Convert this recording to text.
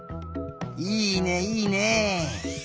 いいねいいね。